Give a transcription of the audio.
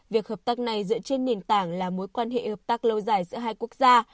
việc hợp tác này dựa trên nền tảng là mối quan hệ hợp tác lâu dài giữa hai quốc gia